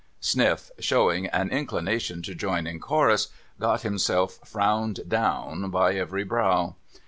' Sniff, showing an inclination to join in chorus, got himself frowned down by every brow.